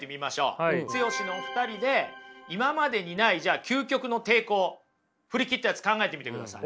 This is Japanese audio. ツヨシっ！のお二人で今までにないじゃあ究極の抵抗振り切ったやつ考えてみてください。